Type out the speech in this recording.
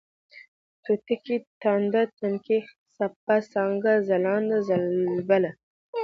توتکۍ ، تانده ، تنکۍ ، څپه ، څانگه ، ځلانده ، ځلبله